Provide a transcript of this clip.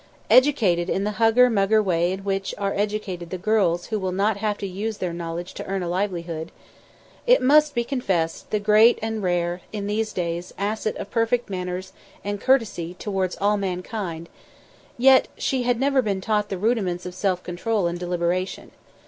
Educated in the hugger mugger way in which are educated the girls who will not have to use their knowledge to earn a livelihood; with, it must be confessed, the great and rare in these days asset of perfect manners and courtesy towards all mankind, yet had she never been taught the rudiments of self control and deliberation.